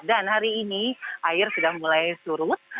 dan hari ini air sudah mulai surut